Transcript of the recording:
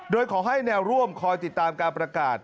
โดยขอให้แนวร่วมคอยติดตามการประกาศ